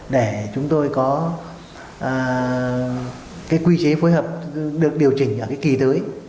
để chúng tôi có cái quy chế phối hợp được điều chỉnh ở cái kỳ tới